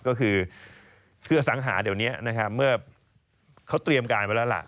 ก็คือเพื่ออสังหาเดี๋ยวนี้นะครับเมื่อเขาเตรียมการไว้แล้วล่ะ